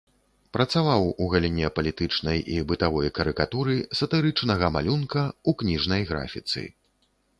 Працаваў у галіне палітычнай і бытавой карыкатуры, сатырычнага малюнка, у кніжнай графіцы.